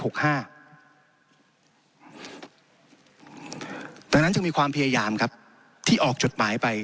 เพราะฉะนั้นมีความพยายามครับที่ออกจดหมายไป